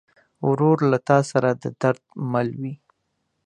ورور له تا سره د درد مل وي.